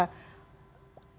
bagaimana kebijakan yang lebih ideal